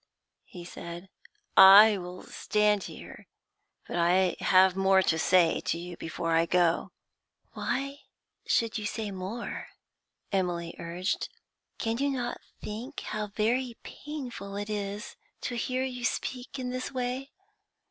he said. 'I will stand here, but I have more to say to you before I go.' 'Why should you say more?' Emily urged. 'Can you not think how very painful it is to hear you speak in this way?